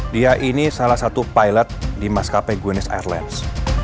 dia ini salah satu pilot di maskapai gwyneth irlands